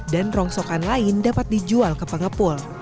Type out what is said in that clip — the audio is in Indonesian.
dan rongsokan lain dapat dijual ke pengepul